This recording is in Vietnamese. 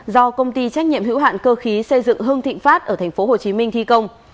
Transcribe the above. do công ty trách nhiệm hữu hạn cơ khí xây dựng hưng thịnh phát ở tp hcm thi công